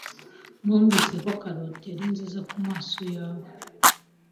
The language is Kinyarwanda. Numvise ko karoti ari nziza kumaso yawe.